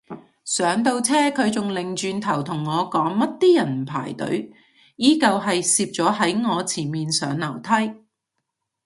上到車佢仲擰轉頭同我講乜啲人唔排隊，依舊係攝咗喺我前面上樓梯